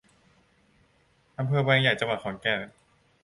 อำเภอแวงใหญ่ จังหวัดขอนแก่น